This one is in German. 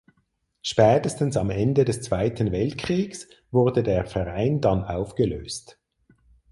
Spätestens am Ende des Zweiten Weltkriegs wurde der Verein dann aufgelöst.